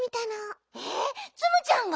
えっツムちゃんが？